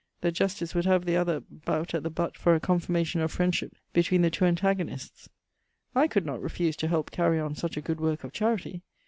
the justice would have the tother bout at the butt for a confirmation of friendship between the two antagonists. I could not refuse to help carry on such a good worke of charity.